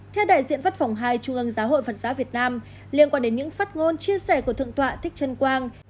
theo đại diện văn phòng hai trung ương giáo hội phật giáo việt nam liên quan đến những phát ngôn chia sẻ của thượng tọa thích trân quang